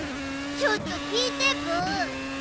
ちょっと聞いてブー。